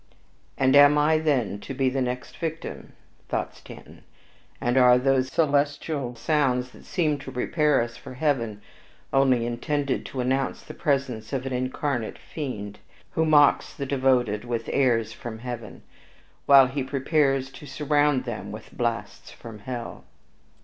"And am I then to be the next victim?" thought Stanton; "and are those celestial sounds, that seem to prepare us for heaven, only intended to announce the presence of an incarnate fiend, who mocks the devoted with 'airs from heaven,' while he prepares to surround them with 'blasts from hell'?"